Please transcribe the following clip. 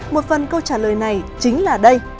một phần câu trả lời này chính là đây